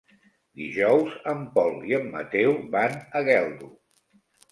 Dijous en Pol i en Mateu van a Geldo.